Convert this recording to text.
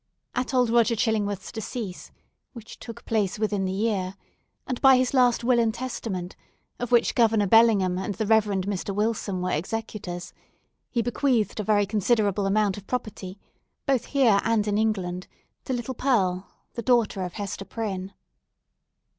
At old Roger Chillingworth's decease, (which took place within the year), and by his last will and testament, of which Governor Bellingham and the Reverend Mr. Wilson were executors, he bequeathed a very considerable amount of property, both here and in England to little Pearl, the daughter of Hester Prynne.